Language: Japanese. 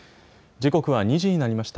時刻は２時になりました。